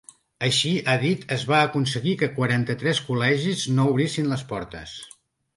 Així, ha dit, es va aconseguir que quaranta-tres col·legis no obrissin portes.